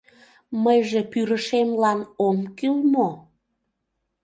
— Мыйже Пӱрышемлан ом кӱл мо?